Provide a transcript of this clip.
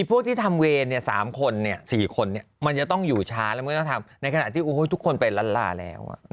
ล่ะหนังจะมีนะ